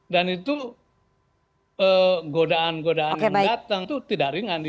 dan itu godaan godaan yang datang itu tidak ringan dihalangi